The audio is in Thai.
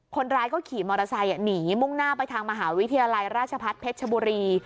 คนร้ายก็ขี่มอเตอร์ไซค์หนีมุ่งหน้าไปทางมหาวิทยาลัยราชพัฒน์เพชรชบุรี